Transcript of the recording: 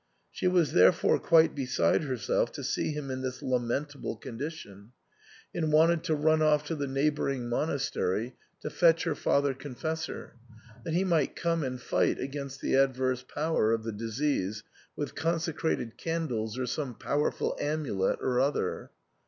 She was therefore quite beside herself to see him in this lamentable con dition, and wanted to runoff to the neighbouring monas 66 SIGNOR FORMICA. tery to fetch her father confessor, that he might come and fight against the adverse power of the disease with consecrated candles or some powerful amulet or other.